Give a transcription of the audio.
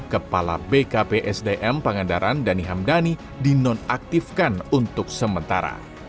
kepala bkp sdm pangandaran dhani hamdani dinonaktifkan untuk sementara